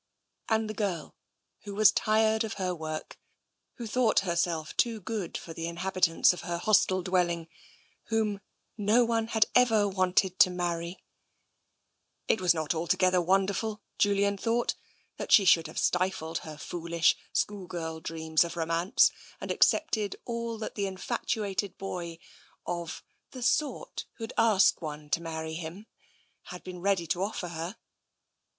And the girl who was tired of her work, who thought herself too good for the inhabitants of her hostel dwelling, whom " no one had ever wanted to marry "— it was not altogether wonderful, Julian thought, that she should have stifled her foolish, school girl dreams of romance and accepted all that the in fatuated boy of " the sort who asks one to marry him " had been ready to offer her.